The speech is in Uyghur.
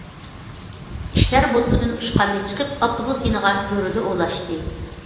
كىشىلەر بوتكىدىن ئۇچقاندەك چىقىپ ئاپتوبۇس يېنىغا گۈررىدە ئولاشتى.